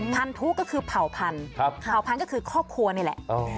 พันธุก็คือเผ่าพันธุ์เผ่าพันธุ์ก็คือครอบครัวนี่แหละ